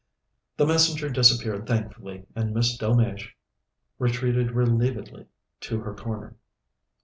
The messenger disappeared thankfully and Miss Delmege retreated relievedly to her corner.